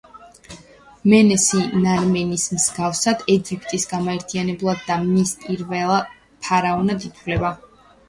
მენესი ნარმერის მსგავსად ეგვიპტის გამაერთიანებლად და მის პირველ ფარაონად ითვლება.